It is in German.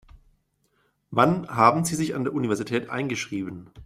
Wann haben Sie sich an der Universität eingeschrieben?